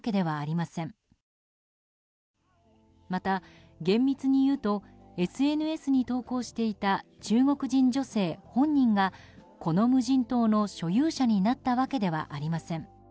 また、厳密にいうとＳＮＳに投稿していた中国人女性本人が、この無人島の所有者になったわけではありません。